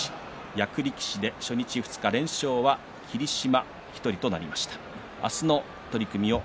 役力士初日、二日連勝は霧島ただ１人となりました。